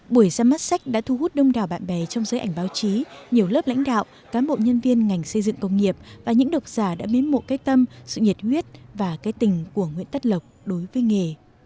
buổi ra mắt sách đã thu hút đông đảo bạn bè trong giới ảnh báo chí nhiều lớp lãnh đạo cán bộ nhân viên ngành xây dựng công nghiệp và những độc giả đã biến mộ cái tâm sự nhiệt huyết và cái tình của nguyễn tất lộc đối với nghề